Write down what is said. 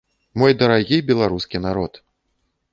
Мой дарагі беларускі народ!